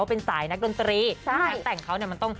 เออนะคะ